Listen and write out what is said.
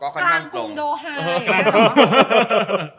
กลางกรุงโดไฮ